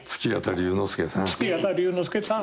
月形龍之介さん。